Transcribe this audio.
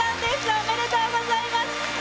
おめでとうございます。